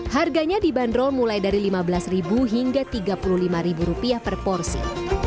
harganya dibanderol mulai dari rp lima belas hingga rp tiga puluh lima per porsi